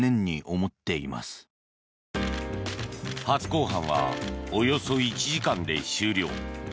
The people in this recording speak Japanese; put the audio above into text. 初公判はおよそ１時間で終了。